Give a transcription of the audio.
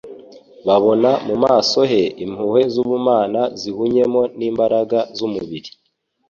babona mu maso he impuhwe z'ubumana zihunyemo n'imbaraga z'umubiri.